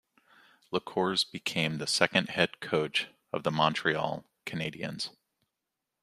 Lecours became the second head coach of the Montreal Canadiens.